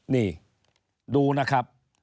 นี่ดูนะครับ